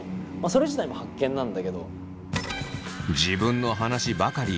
それ自体も発見なんだけど。